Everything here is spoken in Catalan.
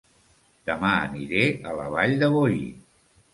Dema aniré a La Vall de Boí